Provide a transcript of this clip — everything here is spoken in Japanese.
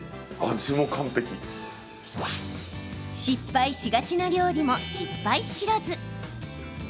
失敗しがちな料理も失敗知らず！